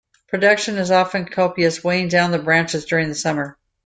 Production is often copious, weighing down the branches during the summer.